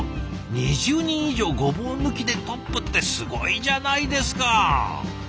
２０人以上ごぼう抜きでトップってすごいじゃないですか！